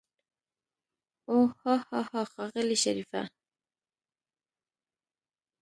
اوح هاهاها ښاغلی شريفه.